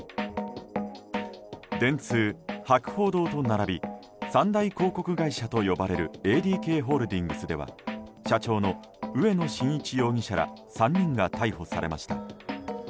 電通、博報堂と並び三大広告会社と呼ばれるＡＤＫホールディングスでは社長の植野伸一容疑者ら３人が逮捕されました。